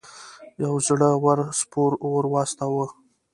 یو زړه ور سپور ور واستاوه.